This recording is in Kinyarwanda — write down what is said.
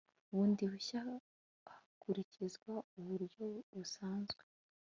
bundi bushya hakurikizwa uburyo busanzwe